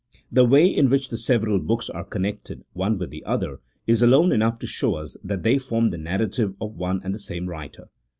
The way in which the several books are connected one with the other is alone enough to show us that they form the narrative of one and the same writer.